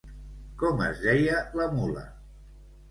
Com es deia la mula?